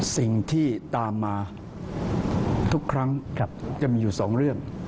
สิ่งที่ตามมาทุกครั้งจะมีอยู่สองเรื่อง